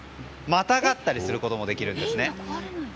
またがったりすることもできるんですね。